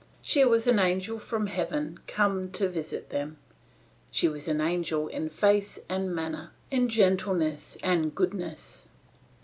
She was an angel from heaven come to visit them; she was an angel in face and manner, in gentleness and goodness.